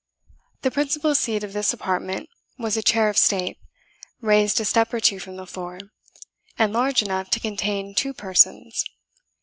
The principal seat of this apartment was a chair of state, raised a step or two from the floor, and large enough to contain two persons.